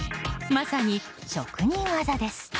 まさに職人技です。